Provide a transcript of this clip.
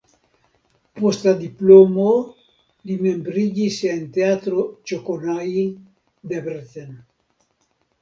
Post la diplomo li membriĝis en Teatro Csokonai (Debrecen).